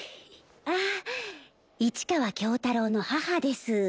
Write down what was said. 市川京太郎の母です。